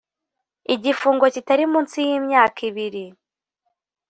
igifungo kitari munsi y imyaka ibiri